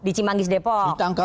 di cimangis depok